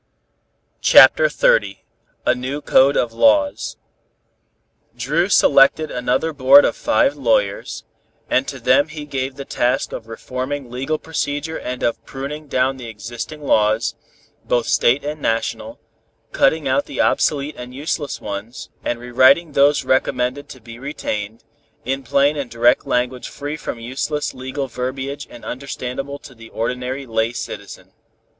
CHAPTER XXX A NEW CODE OF LAWS Dru selected another board of five lawyers, and to them he gave the task of reforming legal procedure and of pruning down the existing laws, both State and National, cutting out the obsolete and useless ones and rewriting those recommended to be retained, in plain and direct language free from useless legal verbiage and understandable to the ordinary lay citizen.